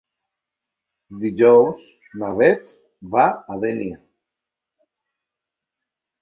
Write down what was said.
Dijous na Beth va a Dénia.